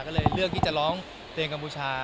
ก็เลยเลือกที่จะร้องเพลงกัมพูชา